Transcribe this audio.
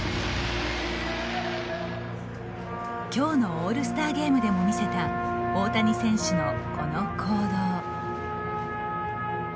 オールスターゲームでも見せた大谷選手のこの行動。